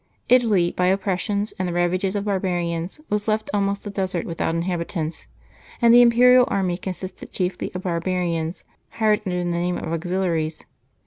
Italy, by oppressions and the ravages of barbarians, was left almost a desert without inhabitants; and the imperial armies consisted chiefly of barbarians, hired under the name of auxiliaries.